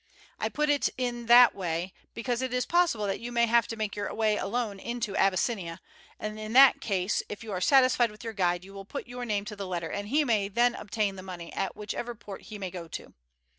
I put it in that way because it is possible that you may have to make your way alone into Abyssinia, and in that case if you are satisfied with your guide you will put your name to the letter and he may then obtain the money at whichever port he may go to.